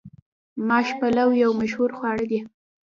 ماش پلو یو مشهور خواړه دي.